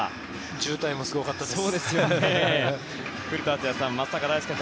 渋滞もすごかったです。